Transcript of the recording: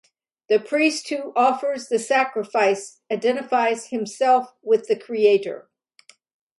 The priest who offers the sacrifice identifies himself with the Creator.